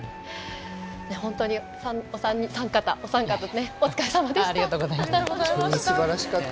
本当にお三方お疲れさまでした。